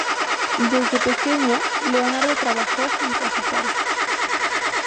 Desde pequeño, Leonardo trabajó junto a su padre.